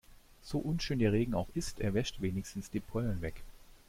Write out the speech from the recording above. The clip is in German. So unschön der Regen auch ist, er wäscht wenigstens die Pollen weg.